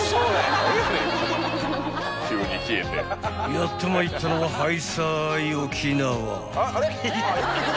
［やってまいったのははいさい沖縄］